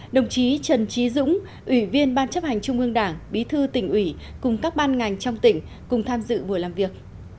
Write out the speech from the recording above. đồng chí trần trí dũng ủy viên ban chấp hành trung ương đảng bí thư tỉnh ủy cùng các ban ngành trong tỉnh cùng tham dự buổi làm việc